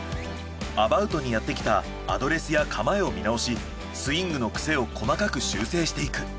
アバウトにやってきたアドレスや構えを見直しスイングの癖を細かく修正していく。